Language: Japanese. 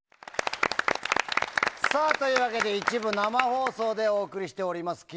さあ、というわけで一部生放送でお送りしております。